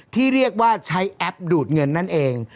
ที่เรียกว่าใช้แอปดูดเงินนั่นเอง